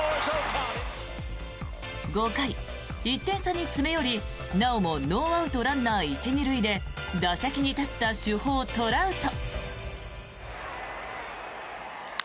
５回、１点差に詰め寄りなおもノーアウトランナー１・２塁で打席に立った主砲・トラウト。